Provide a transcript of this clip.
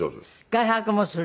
外泊もする。